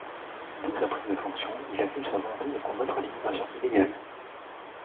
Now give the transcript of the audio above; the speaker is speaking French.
Dès sa prise de fonction, il affiche sa volonté de combattre l'immigration illégale.